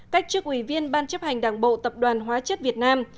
cách chức ủy viên ban chấp hành đảng bộ tập đoàn hóa chất việt nam